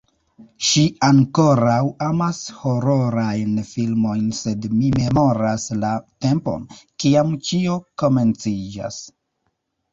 Ŝi ankoraŭ amas hororajn filmojn sed mi memoras la tempon, kiam ĉio komenciĝas